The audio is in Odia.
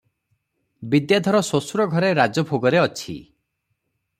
ବିଦ୍ୟାଧର ଶ୍ୱଶୁର ଘରେ ରାଜଭୋଗରେ ଅଛି ।